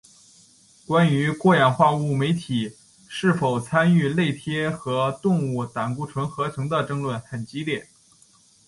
关于过氧化物酶体是否参与类萜和动物胆固醇合成的争论很激烈。